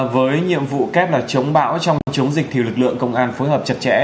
với nhiệm vụ kép là chống bão trong chống dịch thì lực lượng công an phối hợp chặt chẽ